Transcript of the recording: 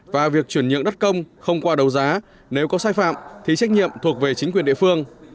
và việc chuyển nhượng đất công không qua đấu giá nếu có sai phạm thì trách nhiệm thuộc về chính quyền địa phương